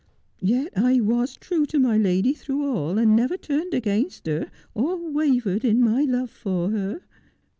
Yet I was true to my lady through all, and never turned against her, or wavered in my love for her.'